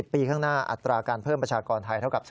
ปีข้างหน้าอัตราการเพิ่มประชากรไทยเท่ากับ